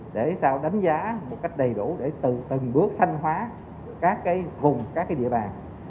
để sao đánh giá một cách đầy đủ để từ từng bước thanh hóa các cái vùng các cái địa bàn